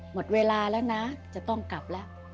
หมดเวลาแล้วนะจะต้องกลับแล้ว